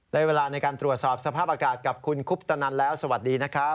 เวลาในการตรวจสอบสภาพอากาศกับคุณคุปตนันแล้วสวัสดีนะครับ